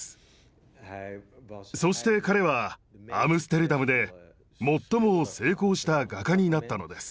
そして彼はアムステルダムで最も成功した画家になったのです。